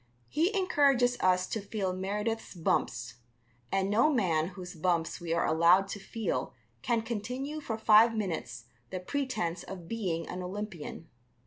He encourages us to feel Meredith's bumps, and no man whose bumps we are allowed to feel can continue for five minutes the pretence of being an Olympian.